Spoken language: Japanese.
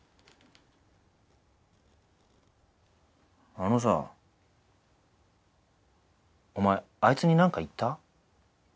あのさお前あいつになんか言った？